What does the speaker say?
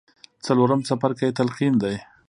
څلورم څپرکی تلقين دی.